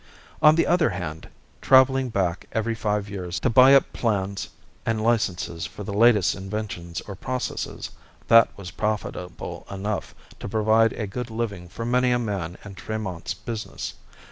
On the other hand, traveling back every five years to buy up plans and licenses for the latest inventions or processes that was profitable enough to provide a good living for many a man in Tremont's business.